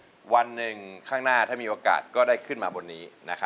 แล้วก็วันหนึ่งข้างหน้าถ้ามีวักการก็ได้ขึ้นมาบนนี้นะครับ